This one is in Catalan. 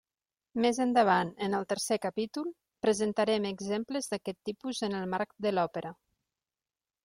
Més endavant, en el tercer capítol, presentarem exemples d'aquest tipus en el marc de l'òpera.